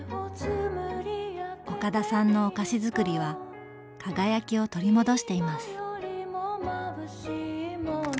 岡田さんのお菓子づくりは輝きを取り戻しています。